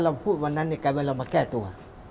อันนั้นเนี่ยก็เป็นเวลามาแก้ตัว